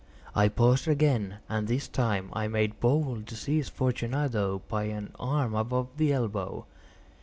I paused again, and this time I made bold to seize Fortunato by an arm above the elbow.